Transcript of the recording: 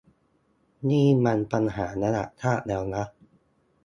นี่มันปัญหาระดับชาติแล้วนะ